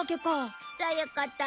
そういうこと。